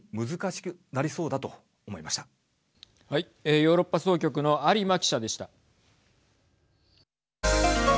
ヨーロッパ総局の有馬記者でした。